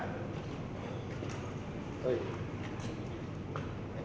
เฮ้ย